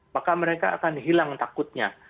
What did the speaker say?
maka mereka akan hilang takutnya